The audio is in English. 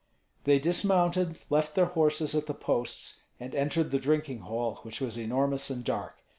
They dismounted, left their horses at the posts, and entered the drinking hall, which was enormous and dark.